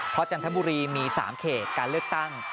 จันทบุรีมี๓เขตการเลือกตั้ง